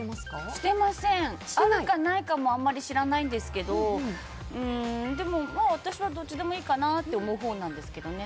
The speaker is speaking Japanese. しているのかもあまり知らないんですが私はどっちでもいいかなと思うほうなんですけどね。